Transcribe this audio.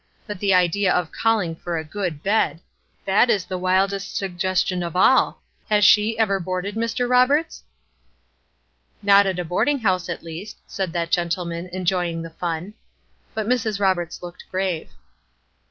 But the idea of calling for a good bed! That is the wildest suggestion of all! Has she ever boarded, Mr. Roberts?" "Not at a boarding house, at least," said that gentleman, enjoying the fun. But Mrs. Roberts looked grave.